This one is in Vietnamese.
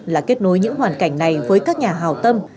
là kết nối những hoàn cảnh này với các nhà hào tâm